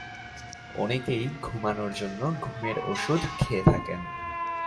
অনেকেই ঘুমানোর জন্য ঘুমের ওষুধ খেয়ে থাকেন।